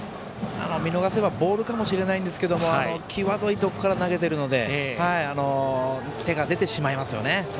見逃せばボールかもしれないんですけど際どいところから投げているので手が出てしまいますよね。